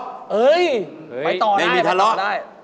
ไปต่อได้ไม่มีทะเลาะ